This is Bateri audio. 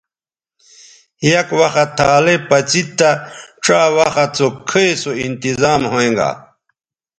یک وخت تھالئ پڅید تہ ڇا وخت سو کھئ سو انتظام ھویں گا